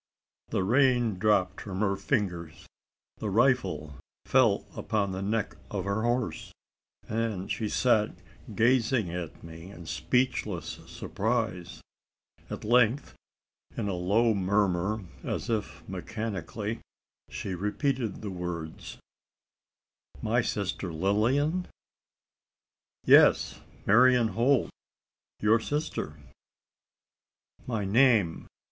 The rein dropped from her fingers the rifle fell upon the neck of her horse, and she sat gazing at me in speechless surprise. At length, in a low murmur, and as if mechanically, she repeated the words: "My sister Lilian?" "Yes, Marian Holt your sister." "My name!